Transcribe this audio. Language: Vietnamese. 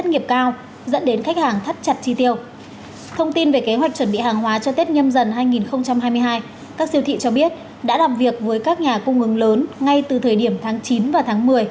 đã làm việc với các nhà cung ứng lớn ngay từ thời điểm tháng chín và tháng một mươi